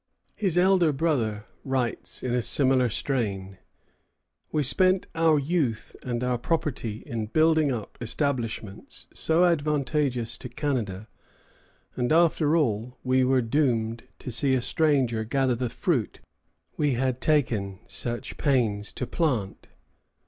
1750._] His elder brother writes in a similar strain: "We spent our youth and our property in building up establishments so advantageous to Canada; and after all, we were doomed to see a stranger gather the fruit we had taken such pains to plant."